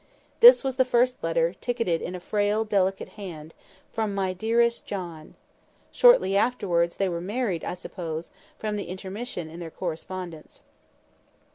This was the first letter, ticketed in a frail, delicate hand, "From my dearest John." Shortly afterwards they were married, I suppose, from the intermission in their correspondence.